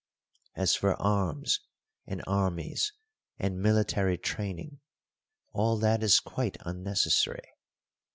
As for arms and armies and military training, all that is quite unnecessary.